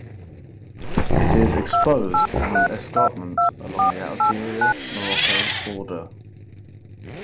It is exposed on an escarpment along the Algeria–Morocco border.